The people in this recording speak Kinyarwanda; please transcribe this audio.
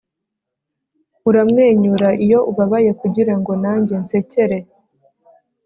uramwenyura iyo ubabaye kugirango nanjye nsekere